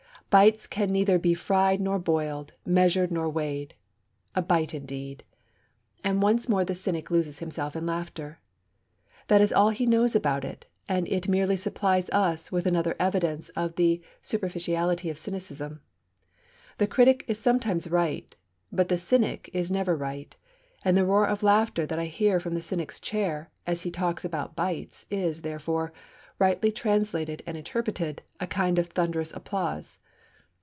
Bites can neither be fried nor boiled, measured nor weighed. A bite, indeed!' and once more the cynic loses himself in laughter. That is all he knows about it, and it merely supplies us with another evidence of the superficiality of cynicism. The critic is sometimes right, but the cynic is never right; and the roar of laughter that I hear from the cynic's chair, as he talks about bites, is, therefore, rightly translated and interpreted, a kind of thunderous applause.